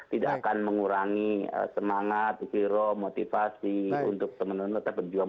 tidak akan mengurangi semangat hero motivasi untuk teman teman tetap berjuang